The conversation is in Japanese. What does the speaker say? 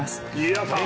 やったー